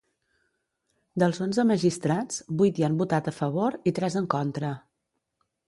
Dels onze magistrats, vuit hi han votat a favor i tres en contra.